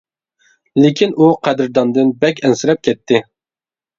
لېكىن ئۇ قەدىرداندىن بەك ئەنسىرەپ كەتتى.